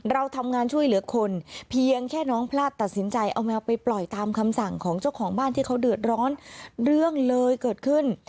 เราทำงานช่วยเหลือคนเพียงแค่น้องพลาดตัดสินใจเอาแมวไปปล่อยตามคำสั่งของเจ้าของบ้านที่เขาเดือดร้อนเรื่องเลยเกิดขึ้น